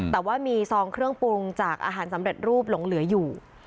แต่ว่ามีซองเครื่องปรุงจากอาหารสำเร็จรูปหลงเหลืออยู่